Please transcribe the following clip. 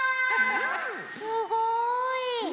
すごい。